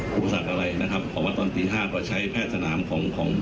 อุปสรรคอะไรนะครับเพราะว่าตอนตีห้าก็ใช้แพทย์สนามของของ